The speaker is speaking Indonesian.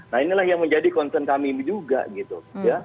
nah inilah yang menjadi konten kami juga gitu